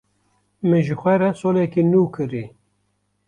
Min ji xwe re soleke nû kirî.